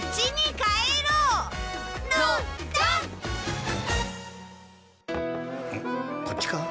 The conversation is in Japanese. んっこっちか？